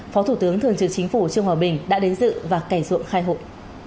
phó thủ tướng thượng trưởng chính phủ trương hòa bình đã đến dự và cải ruộng khai hội